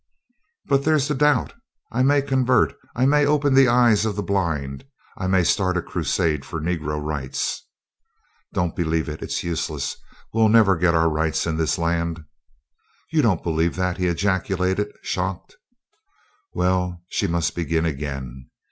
"But there's the doubt: I may convert; I may open the eyes of the blind; I may start a crusade for Negro rights." "Don't believe it; it's useless; we'll never get our rights in this land." "You don't believe that!" he had ejaculated, shocked. Well, she must begin again.